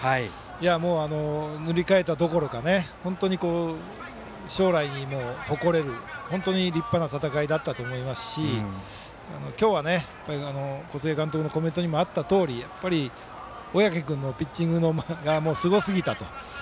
もう塗り替えたどころか本当に将来に誇れる本当に立派な戦いだったと思いますし、今日は小菅監督のコメントにもあったとおり小宅君のピッチングがすごすぎたと。